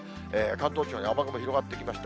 関東地方に雨雲広がってきました。